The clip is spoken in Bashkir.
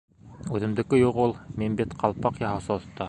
— Үҙемдеке юҡ ул, мин бит Ҡалпаҡ Яһаусы Оҫта.